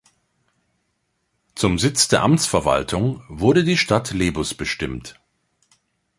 Zum Sitz der Amtsverwaltung wurde die Stadt Lebus bestimmt.